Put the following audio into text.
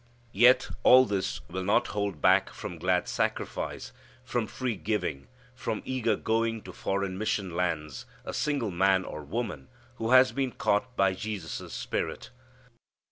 Yet all this will not hold back from glad sacrifice, from free giving, from eager going to foreign mission lands a single man or woman who has been caught by Jesus' Spirit.